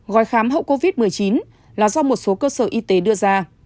gói khám hậu covid một mươi chín là do một số cơ sở y tế đưa ra